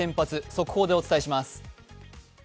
速報でお伝えします。